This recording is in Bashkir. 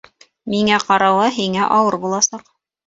Миңә ҡарауы һиңә ауыр буласаҡ.